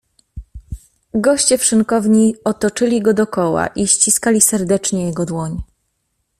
"Goście w szynkowni otoczyli go dokoła i ściskali serdecznie jego dłoń."